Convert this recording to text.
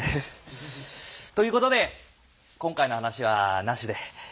ということで今回の話はなしで。